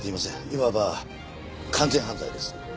いわば完全犯罪です。